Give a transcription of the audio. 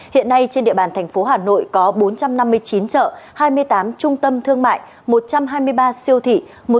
hiện nay trên địa bàn thành phố hà nội có bốn trăm năm mươi chín chợ hai mươi tám trung tâm thương mại một trăm hai mươi ba siêu thị